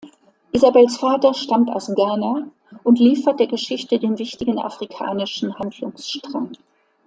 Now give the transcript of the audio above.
Isabels Vater stammt aus Ghana und liefert der Geschichte den wichtigen afrikanischen Handlungsstrang.